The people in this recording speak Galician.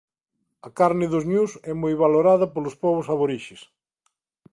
A carne dos ñus é moi valorada polos pobos aborixes.